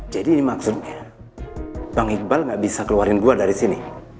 jadi ini maksudnya bang iqbal gak bisa keluarin gue dari sini